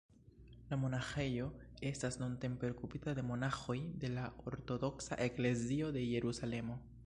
La monaĥejo estas nuntempe okupita de monaĥoj de la Ortodoksa Eklezio de Jerusalemo.